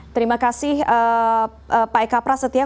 terima kasih pak eka prasetya